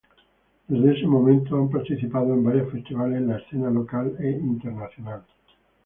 Desde ese momento han participado en varios festivales en la escena local e internacional.